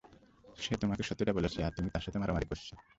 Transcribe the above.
সে তোমাকে সত্যটা বলেছে আর তুমি তার সাথে মারামারি করছো।